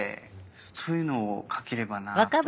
そういうのを書ければなぁと。